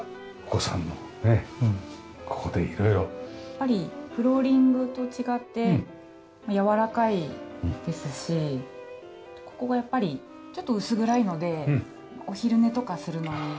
やっぱりフローリングと違ってやわらかいですしここがやっぱりちょっと薄暗いのでお昼寝とかするのに。